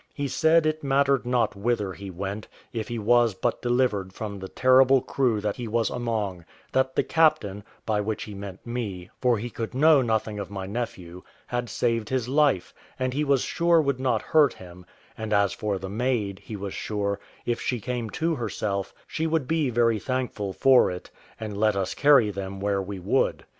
He said it mattered not whither he went, if he was but delivered from the terrible crew that he was among; that the captain (by which he meant me, for he could know nothing of my nephew) had saved his life, and he was sure would not hurt him; and as for the maid, he was sure, if she came to herself, she would be very thankful for it, let us carry them where we would.